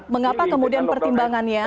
mengapa kemudian pertimbangannya